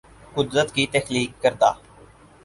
قدرت کی تخلیق کردہ